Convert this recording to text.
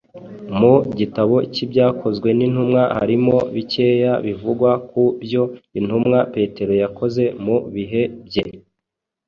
Mu gitabo cy’ibyakozwe n’intumwa harimo bikeya bivugwa ku byo intumwa petero yakoze mu bihe bye